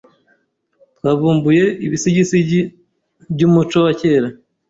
Twavumbuye ibisigisigi byumuco wa kera.